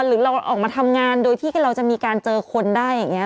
หรือเราออกมาทำงานโดยที่เราจะมีการเจอคนได้อย่างนี้